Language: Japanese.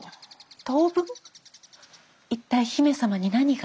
一体姫様に何が？